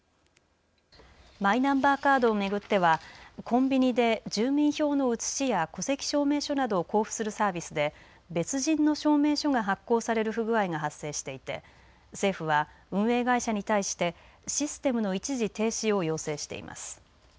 マイナンバーカードを巡ってはコンビニで住民票の写しや戸籍証明書などを交付するサービスで別人の証明書が発行される不具合が発生していて政府は運営会社に対してシステムの一時停止を要請しています。